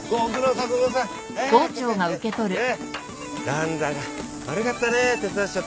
何だか悪かったね手伝わせちゃって。